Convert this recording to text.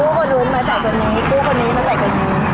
ลูกคนนู้นมาใส่ตัวนี้ลูกคนนี้มาใส่ตัวนี้